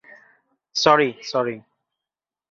Sorry, sorry.